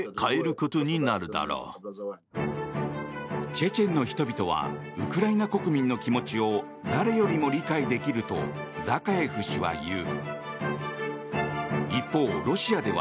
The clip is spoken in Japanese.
チェチェンの人々はウクライナ国民の気持ちを誰よりも理解できるとザカエフ氏は言う。